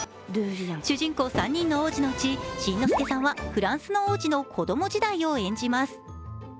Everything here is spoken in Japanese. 主人公３人の王子のうち、新之助さんはフランスの王子の子供時代を演じます。